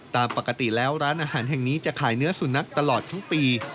ตามปกติแล้วร้านอาหารแห่งนี้จะขายเนื้อสุนัขตลอดทั้งปี